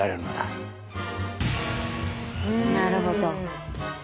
なるほど。